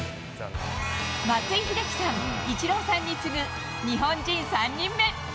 松井秀喜さん、イチローさんに次ぐ、日本人３人目。